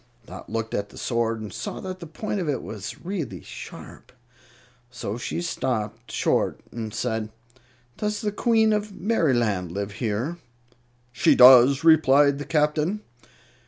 Dot looked at the sword and saw that the point of it was really sharp. So she stopped short and said, "Does the Queen of Merryland live here?" "She does," replied the Captain.